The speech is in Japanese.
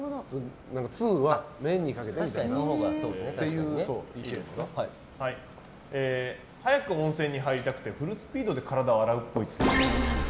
ツウは麺にかけるって。早く温泉に入りたくてフルスピードで体を洗うっぽい。